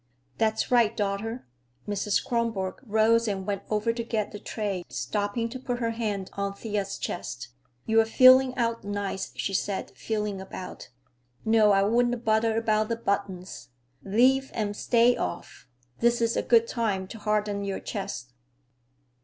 "That's right, daughter." Mrs. Kronborg rose and went over to get the tray, stopping to put her hand on Thea's chest. "You're filling out nice," she said, feeling about. "No, I wouldn't bother about the buttons. Leave 'em stay off. This is a good time to harden your chest."